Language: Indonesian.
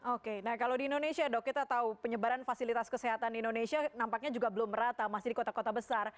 oke nah kalau di indonesia dok kita tahu penyebaran fasilitas kesehatan di indonesia nampaknya juga belum merata masih di kota kota besar